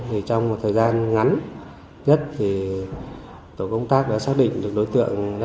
thì trong một thời gian ngắn nhất thì tổ công tác đã xác định được đối tượng